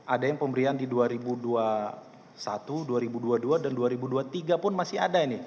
ada yang pemberian di dua ribu dua puluh satu dua ribu dua puluh dua dan dua ribu dua puluh tiga pun masih ada ini